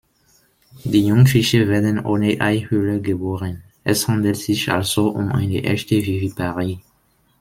Die Jungfische werden ohne Eihülle geboren, es handelt sich also um eine echte Viviparie.